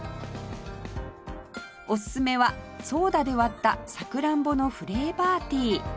おすすめはソーダで割ったさくらんぼのフレーバーティー